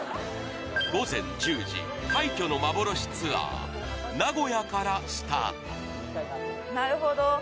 午前１０時廃墟の幻ツアー名古屋からスタートなるほど。